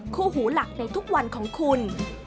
คู่หูหลักในทุกวันของคุณ